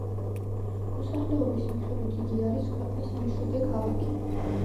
მოსახლეობის მიხედვით იგი არის ქვეყნის მეშვიდე ქალაქი.